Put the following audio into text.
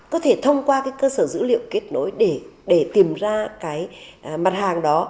có thể thông qua cái cơ sở dữ liệu kết nối để tìm ra cái mặt hàng đó